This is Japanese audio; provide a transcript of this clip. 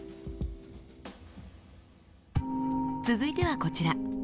続いてはこちら。